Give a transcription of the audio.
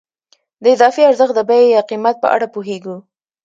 د اضافي ارزښت د بیې یا قیمت په اړه پوهېږو